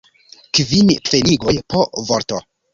Kvin pfenigoj po vorto.